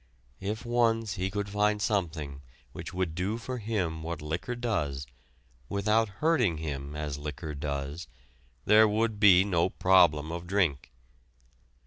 If once he could find something which would do for him what liquor does, without hurting him as liquor does, there would be no problem of drink.